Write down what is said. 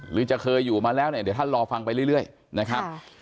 หรือจะเคยอยู่มาแล้วเนี่ยเดี๋ยวท่านรอฟังไปเรื่อยนะครับ